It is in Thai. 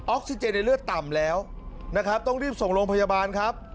ซิเจนในเลือดต่ำแล้วนะครับต้องรีบส่งโรงพยาบาลครับ